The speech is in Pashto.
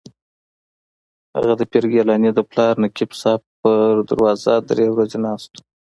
هغه د پیر ګیلاني د پلار نقیب صاحب پر دروازه درې ورځې ناست و.